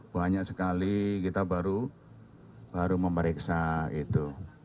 banyak sekali kita baru memeriksa itu